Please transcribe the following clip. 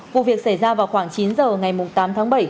vụ việc xảy ra vào khoảng chín giờ ngày tám tháng bảy